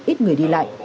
ít người đi lại